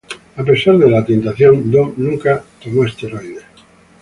A pesar de la tentación, Don nunca tomo esteroides.